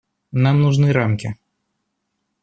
Нам нужны рамки.